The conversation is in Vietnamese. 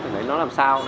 thế nó làm sao